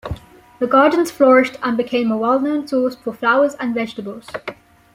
The gardens flourished and became a well known source for flowers and vegetables.